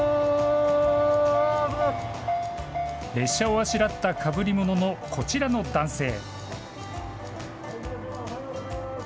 電車をあしらったかぶりもののこちらの男性。